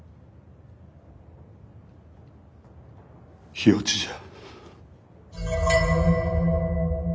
火落ちじゃ。